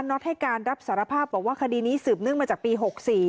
็อตให้การรับสารภาพบอกว่าคดีนี้สืบเนื่องมาจากปี๖๔